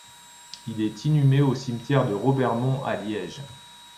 Il est inhumé au Cimetière de Robermont à Liège.